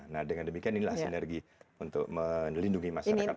nah dengan demikian inilah sinergi untuk melindungi masyarakat